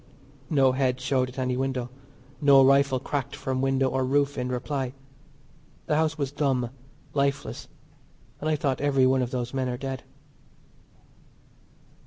No head showed at any window, no rifle cracked from window or roof in reply. The house was dumb, lifeless, and I thought every one of those men are dead.